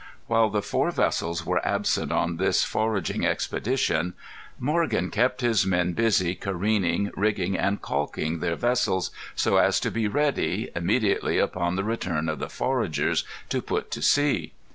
While the four vessels were absent on this foraging expedition, Morgan kept his men busy careening, rigging, and calking their vessels, so as to be ready, immediately upon the return of the foragers, to put to sea.